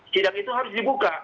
sidang itu harus dibuka